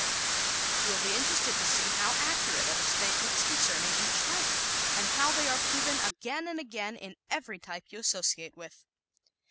You will be interested to see how accurate are the statements concerning each type and how they are proven again and again in every type you associate with.